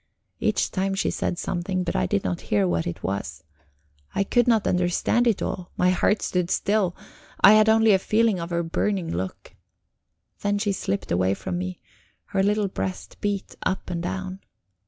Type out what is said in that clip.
Each time she said something, but I did not hear what it was. I could not understand it all; my heart stood still; I had only a feeling of her burning look. Then she slipped away from me; her little breast beat up and down.